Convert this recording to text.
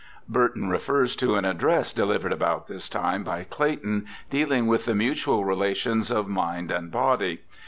Burton refers to an address delivered about this time by Clayton dealing with the mutual relations of mind and body.